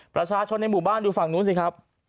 ประชาชนในหมู่บ้านดูฝั่งนู้นสิครับ